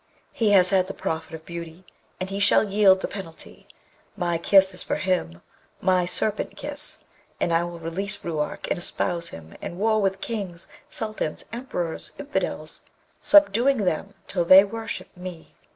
He has had the profit of beauty, and he shall yield the penalty: my kiss is for him, my serpent kiss. And I will release Ruark, and espouse him, and war with kings, sultans, emperors, infidels, subduing them till they worship me.'